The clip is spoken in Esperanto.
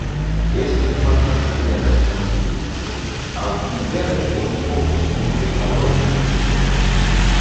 Estus malfacile respondi pri tio, aŭ pli vere oni povus multe paroli pri tio.